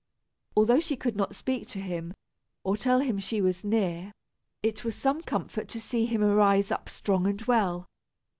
Although she could not speak to him, or tell him she was near, it was some comfort to see him arise up strong and well.